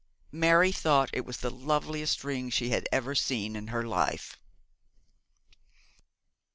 Mary thought it the loveliest ring she had ever seen in her life.